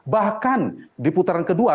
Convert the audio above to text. bahkan di putaran kedua